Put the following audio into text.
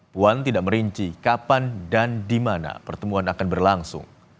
puan tidak merinci kapan dan di mana pertemuan akan berlangsung